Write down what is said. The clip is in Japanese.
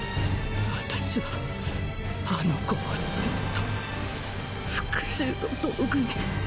私はあの子をずっと復讐の道具に。